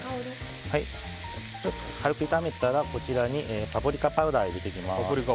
軽く炒めたらこちらにパプリカパウダーを入れていきます。